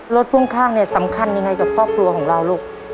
พ่วงข้างเนี่ยสำคัญยังไงกับครอบครัวของเราลูก